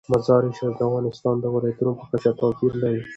مزارشریف د افغانستان د ولایاتو په کچه توپیر لري.